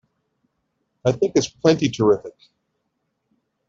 I think it's plenty terrific!